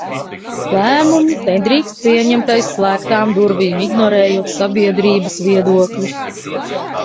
Lēmumus nedrīkst pieņemt aiz slēgtām durvīm, ignorējot sabiedrības viedokļus.